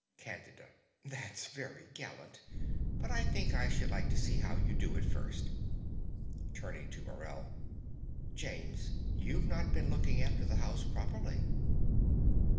CANDIDA. That's very gallant; but I think I should like to see how you do it first. (Turning to Morell.) James: you've not been looking after the house properly.